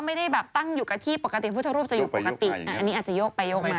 ไม่ได้แบบตั้งอยู่กับที่ปกติพุทธรูปจะอยู่ปกติอันนี้อาจจะโยกไปโยกมา